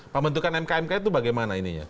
pembentukan mkmk itu bagaimana ini ya